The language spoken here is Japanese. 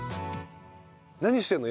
何してんの？